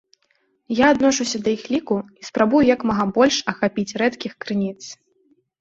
Я адношуся да іх ліку, і спрабую як мага больш ахапіць рэдкіх крыніц.